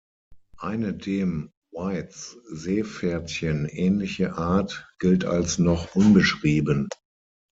Eine dem Whites Seepferdchen ähnliche Art gilt als noch unbeschrieben.